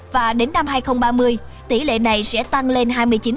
và đến năm hai nghìn ba mươi tỷ lệ này sẽ tăng lên hai mươi chín ba ba mươi sáu tám